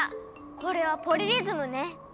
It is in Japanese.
これはポリリズムね。